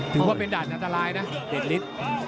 ถือว่าเป็นดันอันตรายนะเดชลิศ